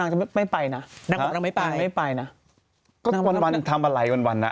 เดี๋ยววันนึงก็ปั้นหนึ่งน่ะเดี๋ยววันนึงก็บุ๋มปั้นปั้น